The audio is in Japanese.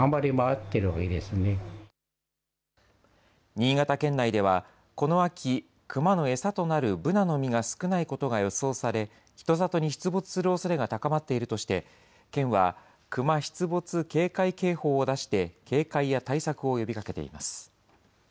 新潟県内ではこの秋、クマの餌となるブナの実が少ないことが予想され、人里に出没するおそれが高まっているとして、県は、クマ出没警戒警報を出して、警戒や対策を呼びかけています。